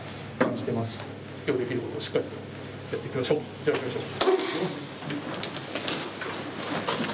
じゃあいきましょう。